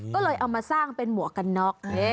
ก็เลยเอามาสร้างเป็นหมวกกันน็อก